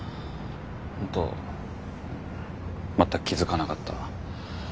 本当全く気付かなかった。